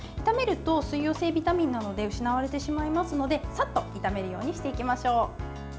炒めると水溶性ビタミンなので失われてしまいますのでさっと炒めるようにしていきましょう。